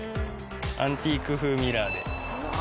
アンティーク風ミラーで。